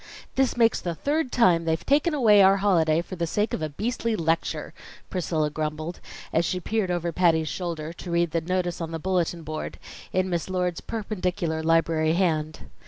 "This makes the third time they've taken away our holiday for the sake of a beastly lecture," Priscilla grumbled, as she peered over Patty's shoulder to read the notice on the bulletin board, in Miss Lord's perpendicular library hand.